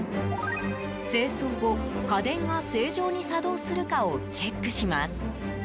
清掃後、家電が正常に作動するかをチェックします。